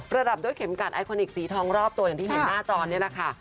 ระดับด้วยเข็มกัดไอโคนิคสีทองรอบตัวอย่างที่เห็นหน้าจอนี่แหละค่ะ